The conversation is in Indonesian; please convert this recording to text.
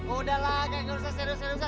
sudahlah nggak perlu serius serius